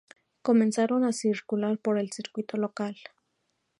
Comenzaron a circular por el circuito local.